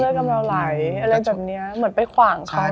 เลือกกันดาวน์ไหลอะไรแบบเนี้ยเหมือนไปขวางเขาเนอะ